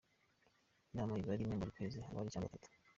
Inama iba rimwe buri mezi abiri cyangwa atatu.